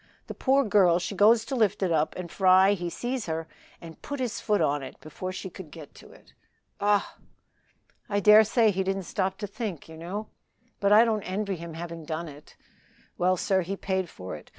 The poor girl she goes to lift it up and Fry he sees her and put his foot on it before she could get to it." "Ah!" "I dare say he didn't stop to think, you know; but I don't envy him having done it. Well, sir, he paid for it.